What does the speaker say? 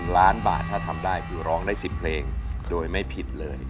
ล้านบาทถ้าทำได้คือร้องได้๑๐เพลงโดยไม่ผิดเลย